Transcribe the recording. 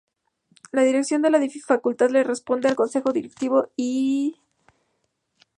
La dirección de la Facultad le corresponde al Consejo Directivo y al Decano.